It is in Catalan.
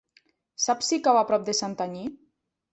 Saps si cau a prop de Santanyí?